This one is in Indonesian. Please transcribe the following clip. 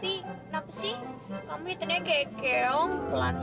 tapi kenapa sih kamu hitungnya kayak keong